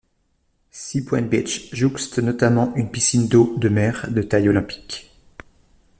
Sea Point Beach jouxte notamment une piscine d'eau de mer de taille olympique.